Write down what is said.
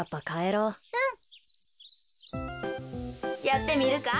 やってみるか？